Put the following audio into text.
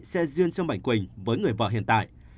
xe duyên cho mạnh quỳnh với người vợ hiện tại